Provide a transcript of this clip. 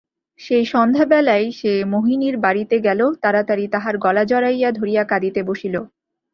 সেই সন্ধ্যাবেলাই সে মোহিনীর বাড়িতে গেল, তাড়াতাড়ি তাহার গলা জড়াইয়া ধরিয়া কাঁদিতে বসিল।